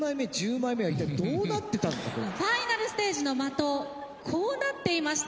ファイナルステージの的こうなっていました。